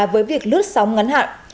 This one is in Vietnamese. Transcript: với việc lướt sóng ngắn hạn